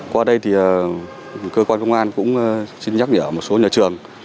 qua đây thì cơ quan công an cũng xin nhắc nhở một số nhà trường